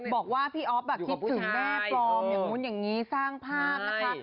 บอกว่าพี่อ๊อฟคิดถึงแม่ปลอมอย่างนู้นอย่างนี้สร้างภาพนะคะ